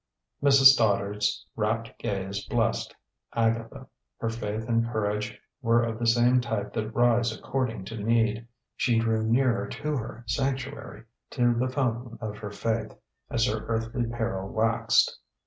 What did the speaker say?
Mrs. Stoddard's rapt gaze blessed Agatha. Her faith and courage were of the type that rise according to need. She drew nearer to her sanctuary, to the fountain of her faith, as her earthly peril waxed.